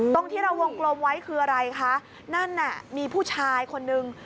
ตรงที่เราวงกลมไว้คืออะไรคะนั่นน่ะมีผู้ชายคนนึง